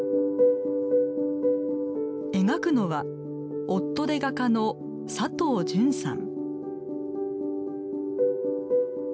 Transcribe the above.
描くのは夫で画家の佐藤潤さん。